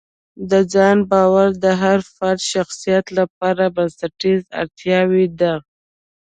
د ځان باور د هر فرد شخصیت لپاره بنسټیزه اړتیا ده.